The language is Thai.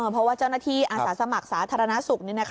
เพราะว่าเจ้าหน้าที่อาสาสมัครสาธารณสุข